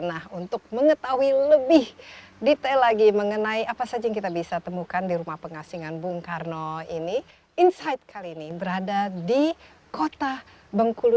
nah untuk mengetahui lebih detail lagi mengenai apa saja yang kita bisa temukan di rumah pengasingan bung karno ini insight kali ini berada di kota bengkulu